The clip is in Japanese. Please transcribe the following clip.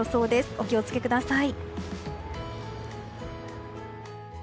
お気を付けください。